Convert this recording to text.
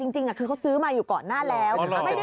จริงคือเขาซื้อมาอยู่ก่อนหน้าแล้ว